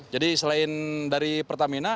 jadi selain dari pertamina